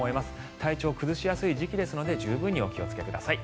体調を崩しやすい時期ですので十分にお気をつけください。